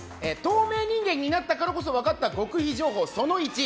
透明人間になったからこそ分かった極秘情報、その１。